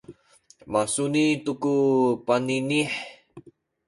masuni tu ku baninih